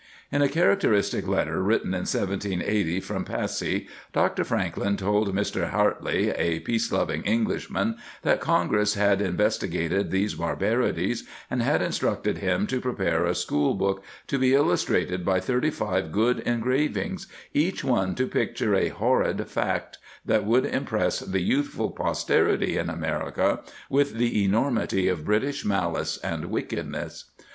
^ In a characteristic letter, written in 1780, from Passy, Dr. Franklin told Mr. Hartley, a peace loving Englishman, that Congress had investi gated these barbarities and had instructed him to prepare a school book, to be illustrated by thirty five good engravings, each one to picture a "horrid fact" that would impress the youthful posterity in America with the enormity of British malice and wickedness."